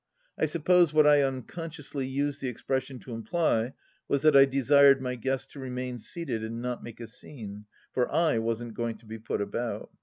I suppose what I unconsciously used the expression to imply was that I desired my guests to remain seated and not make a scene, for I wasn't going to be put about.